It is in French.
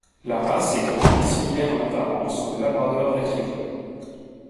La race est grande et similaire en apparence au labrador retriever.